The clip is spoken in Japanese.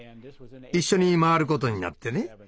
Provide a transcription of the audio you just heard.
一緒に回ることになってね。